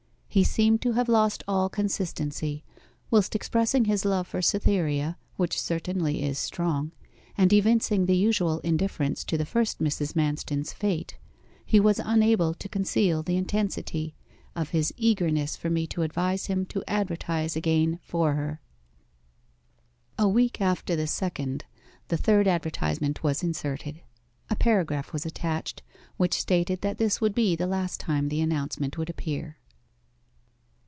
He seemed to have lost all consistency. Whilst expressing his love for Cytherea (which certainly is strong) and evincing the usual indifference to the first Mrs. Manston's fate, he was unable to conceal the intensity of his eagerness for me to advise him to advertise again for her.' A week after the second, the third advertisement was inserted. A paragraph was attached, which stated that this would be the last time the announcement would appear.